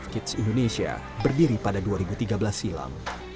dua belas kids indonesia berdiri pada dua ribu tiga belas silam